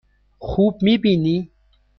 خوب می بینی؟